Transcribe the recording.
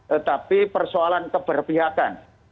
tetapi persoalan keberpihakan